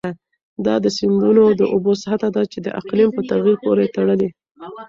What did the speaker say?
دا د سیندونو د اوبو سطحه ده چې د اقلیم په تغیر پورې تړلې.